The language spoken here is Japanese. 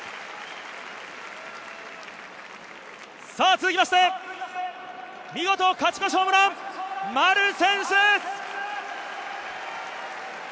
続きまして、見事勝ち越しホームラン、丸選手です！